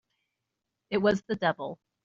It was the devil!